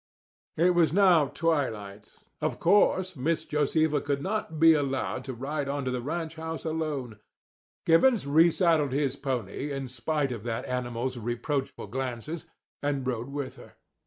It was now twilight. Of course Miss Josefa could not be allowed to ride on to the ranch house alone. Givens resaddled his pony in spite of that animal's reproachful glances, and rode with her.